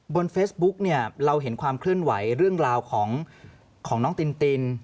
บนเฟซบุ๊กเนี่ยเราเห็นความเคลื่อนไหวเรื่องราวของน้องตินติน